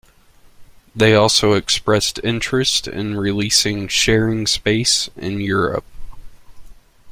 They also expressed interest in releasing "Sharing Space" in Europe.